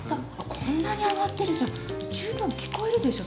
こんなに上がってるじゃん十分聞こえるでしょ！